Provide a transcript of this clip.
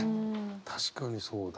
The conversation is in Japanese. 確かにそうだ。